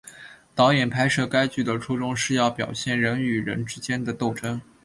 导演拍摄该剧的初衷是要表现人与人之间的斗争。